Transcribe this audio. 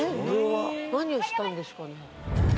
何をしたんですかね？